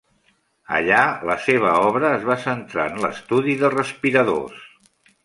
Allà la seva obra es va centrar en l'estudi de respiradors.